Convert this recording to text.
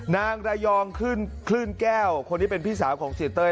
นางระยองคลื่นแก้วคนนี้เป็นพี่สาวของเสียเต้ย